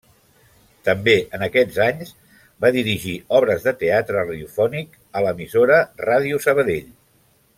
També en aquests anys va dirigir obres de teatre radiofònic a l'emissora Ràdio Sabadell.